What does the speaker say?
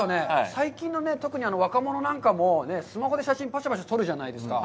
最近の特に若者なんかもスマホで写真をパシャパシャ撮るじゃないですか。